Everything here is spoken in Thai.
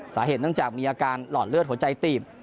สาเหตุเนื่องจากมีอาการหลอดเลือดหัวใจตีบ